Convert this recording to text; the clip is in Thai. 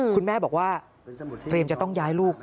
คุณแม่บอกว่าเตรียมจะต้องย้ายลูก